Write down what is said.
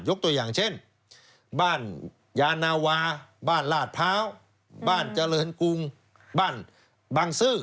ตัวอย่างเช่นบ้านยานาวาบ้านลาดพร้าวบ้านเจริญกรุงบ้านบางซื่อ